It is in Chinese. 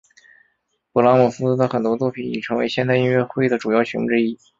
勃拉姆斯的很多作品已成为现代音乐会的主要曲目之一。